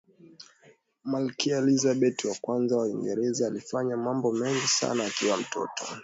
malkia elizabeth wa kwanza wa uingereza alifanya mambo mengi sana akiwa mtoto